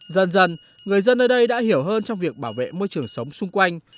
dần dần người dân ở đây đã hiểu hơn trong việc bảo vệ môi trường sống xung quanh